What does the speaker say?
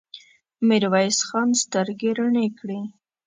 ميرويس خان سترګې رڼې کړې.